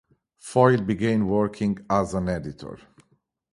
Foyle began working as an editor.